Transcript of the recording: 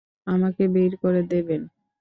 আমাকে বের করে দেবেন?